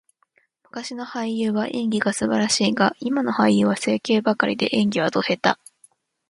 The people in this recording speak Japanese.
昔の俳優は演技が素晴らしいが、今の俳優は整形ばかりで、演技はド下手。